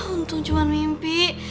untung cuma mimpi